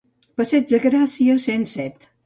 Passeig de Gràcia, cent set.